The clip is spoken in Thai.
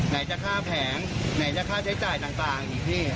ไหนจะค่าแผงไหนจะค่าใช้จ่ายต่างอีกพี่